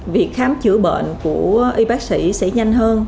việc khám chữa bệnh của y bác sĩ sẽ nhanh hơn